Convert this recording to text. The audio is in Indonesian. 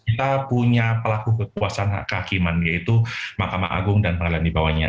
kita punya pelaku kekuasaan kehakiman yaitu makam agung dan pengadilan dibawahnya